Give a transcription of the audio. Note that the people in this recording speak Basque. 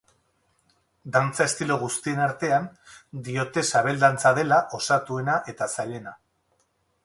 Dantza estilo guztien artean, diote sabel dantza dela osatuena eta zailena.